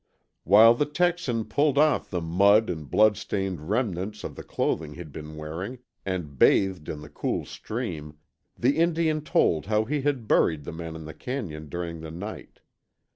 While the Texan pulled off the mud and blood stained remnants of the clothing he'd been wearing, and bathed in the cool stream, the Indian told how he had buried the men in the canyon during the night.